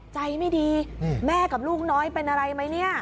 ใจไม่ดีแม่กับลูกน้อยเป็นอะไรไหมเนี่ย